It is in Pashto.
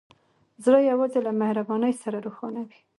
زړه یوازې له مهربانۍ سره روښانه وي.